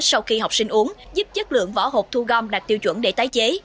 sau khi học sinh uống giúp chất lượng vỏ hộp thu gom đạt tiêu chuẩn để tái chế